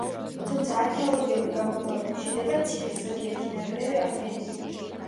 თუმცა, არქეოლოგიური გამოკვლევების შედეგად ციხის ზოგიერთი ნანგრევი აღდგენილია.